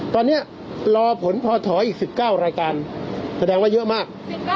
ตอนนี้รอผลพอถอยอีก๑๙รายการแสดงว่าเยอะมาก